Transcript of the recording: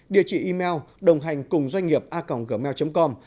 địa chỉ email đồng hành cùng doanh nghiệp a gmail com